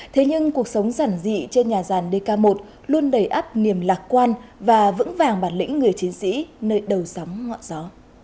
thế nhưng cuộc sống giản dị trên nhà gian dk một luôn đầy áp niềm lạc quan và vững vàng bản lĩnh người chiến sĩ nơi đầu sóng ngọn gió